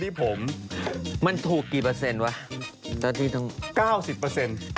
นี่ก็คือเรื่องเหมือนเรื่องเก่า